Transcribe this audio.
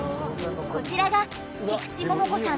こちらが菊池桃子さん